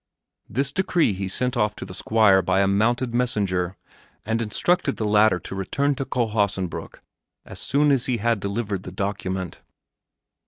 This decree he sent off to the Squire by a mounted messenger, and instructed the latter to return to Kohlhaasenbrück as soon as he had delivered the document.